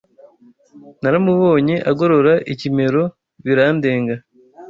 Naramubonye agorora ikimero birandenga